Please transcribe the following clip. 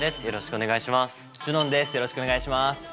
よろしくお願いします。